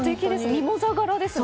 ミモザ柄ですね。